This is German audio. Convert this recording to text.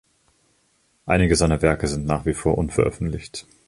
Einige seiner Werke sind nach wie vor unveröffentlicht.